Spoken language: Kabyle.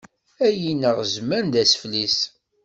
Ay ineɣ zman, d asfel-is.